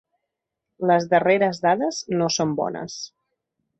Les darreres dades no són bones.